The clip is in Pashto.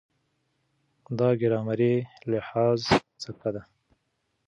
دا ګرامري لحاظ څپه ده.